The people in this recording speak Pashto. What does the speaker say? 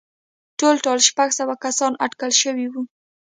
ټولټال شپږ سوه کسان اټکل شوي وو